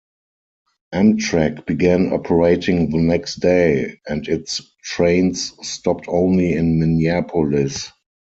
Amtrak began operating the next day and its trains stopped only in Minneapolis.